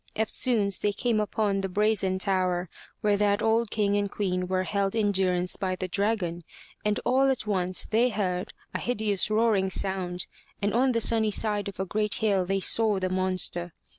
Eftsoons they came upon the brazen tower where that old king and queen were held in durance by the dragon, and all at once they heard a hideous roaring sound and on the sunny side of a great hill they saw the monster.